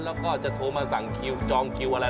แล้วก็จะโทรมาสั่งคิวจองคิวอะไร